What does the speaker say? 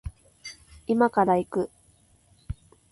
今から行く